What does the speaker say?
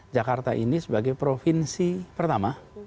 jakarta ini sebagai provinsi pertama